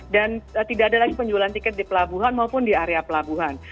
dan tidak ada lagi penjualan tiket di pelabuhan maupun di area pelabuhan